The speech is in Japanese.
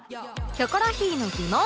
キョコロヒーの疑問